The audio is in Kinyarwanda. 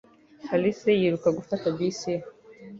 Alice yiruka gufata bisi ye